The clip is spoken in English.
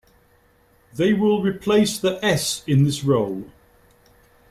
They will replace the s in this role.